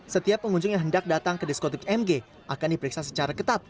setiap pengunjung yang hendak datang ke diskotik mg akan diperiksa secara ketat